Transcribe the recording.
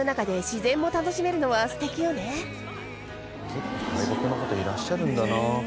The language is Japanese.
結構、外国の方いらっしゃるんだな。